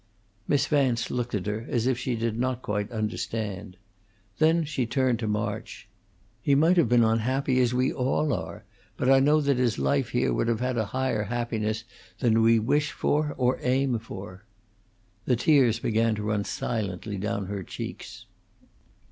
Miss Vance looked at her as if she did not quite understand. Then she turned to March. "He might have been unhappy, as we all are; but I know that his life here would have had a higher happiness than we wish for or aim for." The tears began to run silently down her cheeks.